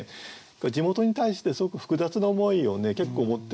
地元に対してすごく複雑な思いを結構持ってるんですね。